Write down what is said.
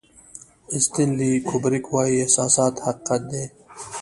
استنلي کوبریک وایي احساسات حقیقت دی.